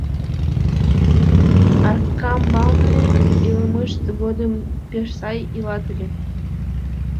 — Аркамбалне илымышт годым пеш сай илат ыле.